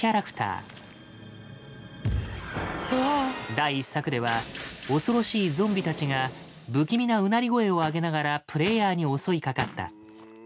第１作では恐ろしいゾンビたちが不気味なうなり声を上げながらプレイヤーに襲いかかった。